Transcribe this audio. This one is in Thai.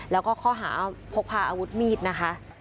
แล้วก็ข้อหาพกพาอาวุธมีดนะคะ